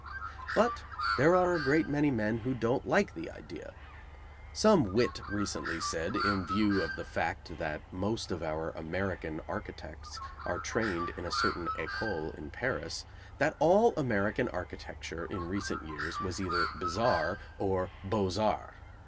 But there are a great many men who don't like the idea. Some wit recently said, in view of the fact that most of our American architects are trained in a certain École in Paris, that all American architecture in recent years was either bizarre or "Beaux Arts."